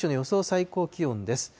最高気温です。